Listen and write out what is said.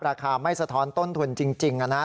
ราคาไม่สะท้อนต้นทุนจริงนะครับ